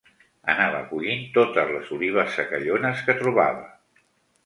Anava collint totes les olives secallones que trobava.